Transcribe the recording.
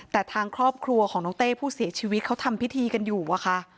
แต่ทางครอบครัวของน้องเต้ผู้เสียชีวิตเขาทำพิธีกันอยู่อะค่ะ